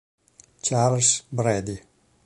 Charles Brady